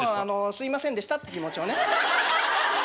「すいませんでした」って気持ちをね。